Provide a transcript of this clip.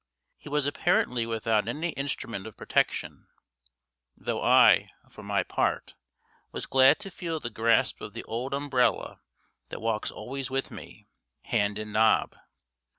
He was apparently without any instrument of protection, though I, for my part, was glad to feel the grasp of the old umbrella that walks always with me, hand in knob.